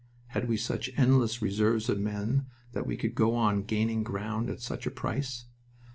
Had we such endless reserves of men that we could go on gaining ground at such a price?